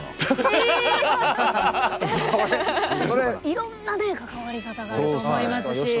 いろんなね関わり方があると思いますし。